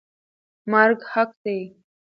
مرګ حق دی.